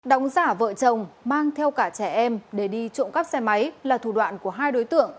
đóng giả vợ chồng mang theo cả trẻ em để đi trộm cắp xe máy là thủ đoạn của hai đối tượng